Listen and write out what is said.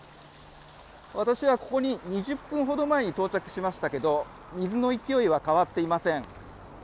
私は、ここに２０分ほど前に到着しましたけど水の勢いは変わっていません。